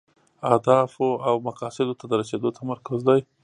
اهدافو او مقاصدو ته د رسیدو تمرکز دی.